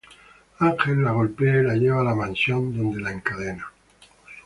Ángel la golpea y la lleva a la Mansión, donde la encadena.